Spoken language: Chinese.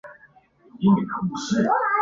声优为宣传片之配音版。